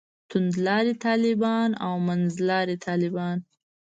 توندلاري طالبان او منځلاري طالبان.